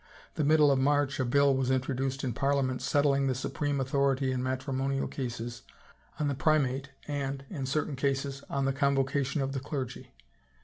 The middle of March a bill was introduced in Parliament settling the supreme authority in matri monial cases on the primate and, in certain cases, on the convocation of the clergy.